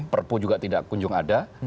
perpu juga tidak kunjung ada